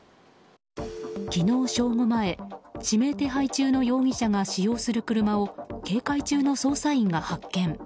昨日正午前、指名手配中の容疑者が使用する車を警戒中の捜査員が発見。